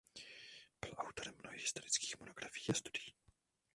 Byl autorem mnohých historických monografií a studií.